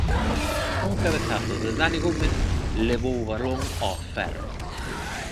Un cabezazo de Dani Gómez levou o balón ao ferro.